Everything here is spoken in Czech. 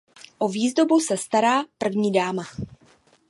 O výzdobu se stará první dáma.